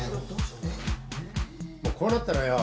もうこうなったらよ